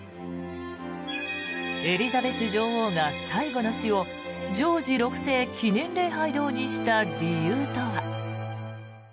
エリザベス女王が最後の地をジョージ６世記念礼拝堂にした理由とは。